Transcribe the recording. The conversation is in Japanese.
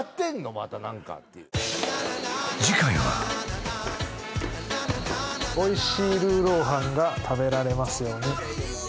また何か」っていう次回は「おいしいルーロー飯が食べられます様に」